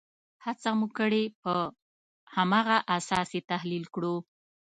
هڅه مو کړې په هماغه اساس یې تحلیل کړو.